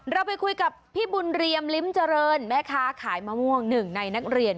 เราไปคุยกับพี่บุญเรียมลิ้มเจริญแม่ค้าขายมะม่วงหนึ่งในนักเรียน